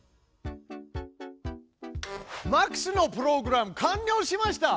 マックスのプログラム完りょうしました！